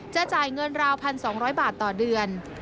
จะจ่ายเงินราว๑๒๐๐บาทต่อเดือน